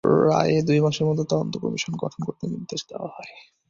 রায়ে দুই মাসের মধ্যে তদন্ত কমিশন গঠন করতে নির্দেশ দেওয়া হয়।